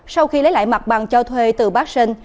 sau khi lấy lại mặt bằng cho thuê từ bắc sơn